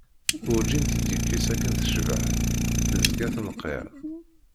Urǧin tt-id-yekkis akken tecbaḥ, tezga tenqer.